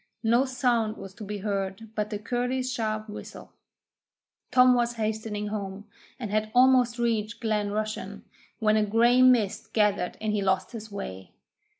No sound was to be heard but the curlew's sharp whistle. Tom was hastening home, and had almost reached Glen Rushen, when a grey mist gathered and he lost his way.